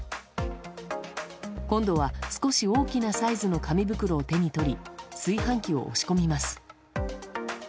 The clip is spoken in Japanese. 今度は少し大きなサイズの紙袋を手に取り炊飯器を押し込みます。